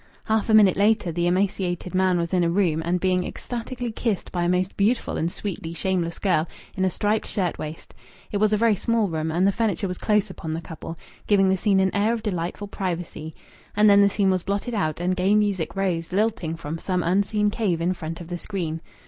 Half a minute later the emaciated man was in a room and being ecstatically kissed by a most beautiful and sweetly shameless girl in a striped shirtwaist; it was a very small room, and the furniture was close upon the couple, giving the scene an air of delightful privacy. And then the scene was blotted out and gay music rose lilting from some unseen cave in front of the screen.